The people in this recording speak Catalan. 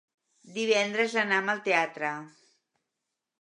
Divendres anam al teatre.